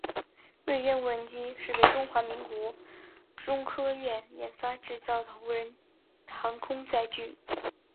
锐鸢无人机是为中华民国中科院研发制造的无人航空载具。